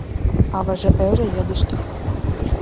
Аваже ӧрӧ, йодышто.